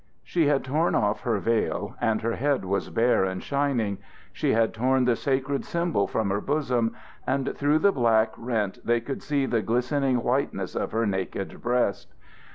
She had torn off her veil and her head was bare and shining. She had torn the sacred symbol from her bosom, and through the black rent they could see the glistening whiteness of her naked breast.